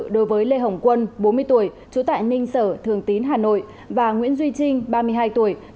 đối với lê hồng quân bốn mươi tuổi trú tại ninh sở thường tín hà nội và nguyễn duy trinh ba mươi hai tuổi